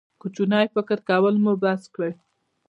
کوچنی فکر کول مو بس کړئ.